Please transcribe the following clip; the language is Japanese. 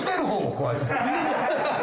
怖いですよ。